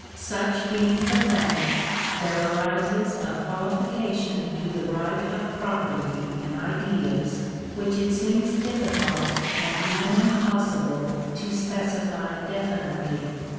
Such being the fact, there arises a qualification to the right of property in ideas, which it seems difficult and even impossible to specify definitely.